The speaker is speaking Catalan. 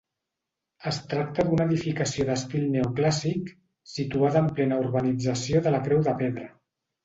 Es tracta d'una edificació d'estil neoclàssic situada en plena urbanització de la Creu de Pedra.